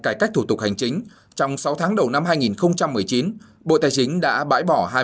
cải cách thủ tục hành chính trong sáu tháng đầu năm hai nghìn một mươi chín bộ tài chính đã bãi bỏ